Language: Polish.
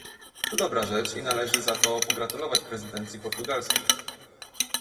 To dobra rzecz i należy za to pogratulować prezydencji portugalskiej